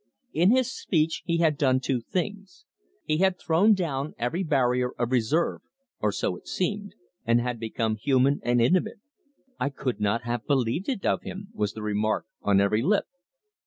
In his speech he had done two things: he had thrown down every barrier of reserve or so it seemed and had become human and intimate. "I could not have believed it of him," was the remark on every lip.